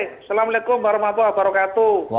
assalamualaikum warahmatullahi wabarakatuh